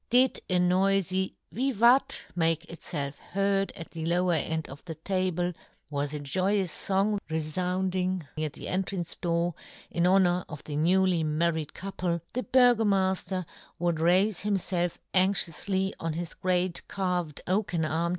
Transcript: Did a noify vivat make itfelf heard at the lower end of the table, was a joyous fong refounding, near the entrance door, in honour of the newly married couple, the Bur gomafter would raife himfelf anxi oufly on his great carved oaken arm 14 yohn Gutenberg.